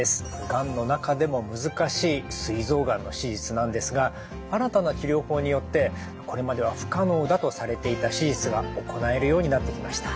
がんの中でも難しいすい臓がんの手術なんですが新たな治療法によってこれまでは不可能だとされていた手術が行えるようになってきました。